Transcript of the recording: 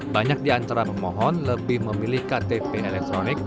banyak di antara pemohon lebih memilih ktp elektronik